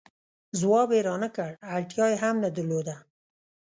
ځواب یې را نه کړ، اړتیا یې هم نه درلوده.